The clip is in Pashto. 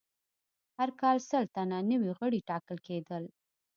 هر کال سل تنه نوي غړي ټاکل کېدل.